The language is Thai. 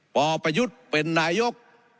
ประยุทธ์เป็นนายก